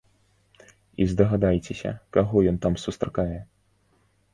І здагадайцеся, каго ён там сустракае?